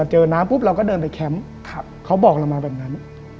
เจอน้าปุ๊บเราก็เดินไปแคมป์เขาบอกเรามาแบบนั้น